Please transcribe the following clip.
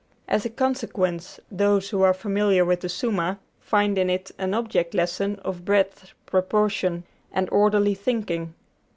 As a consequence, those who are familiar with the 'Summa' find in it an object lesson of breadth, proportion, and orderly thinking.